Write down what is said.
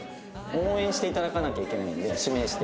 応援して頂かなきゃいけないんで指名して。